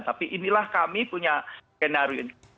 tapi inilah kami punya skenario ini